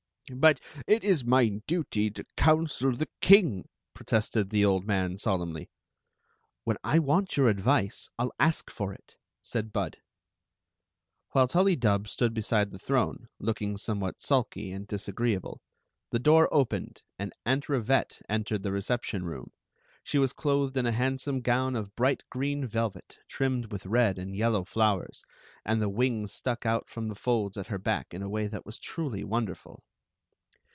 But it is my duty to counsel the king," protested the old man, solemnly. "When I want your advice I '11 ask for it," said Bud. While Tullydub stood beside the throne, looking somewhat sulky and disagreeable, the door opened and Aunt Rivette entered the reception room. She was clothed in a handsome gown of bright green vel vet, trimmed with red and yellow flowers, and the wings stuck out from the folds at her back in a way that was truly wonderful.